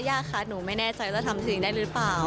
ยากค่ะหนูไม่แน่ใจว่าทำสิ่งได้หรือเปล่า